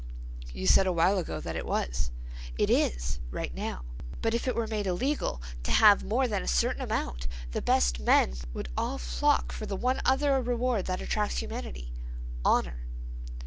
"You said a while ago that it was." "It is, right now. But if it were made illegal to have more than a certain amount the best men would all flock for the one other reward which attracts humanity—honor."